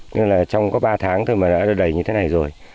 nên là trong có ba tháng thôi mà đã đầy như thế này rồi